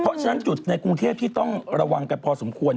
เพราะฉะนั้นจุดในกรุงเทพที่ต้องระวังกันพอสมควร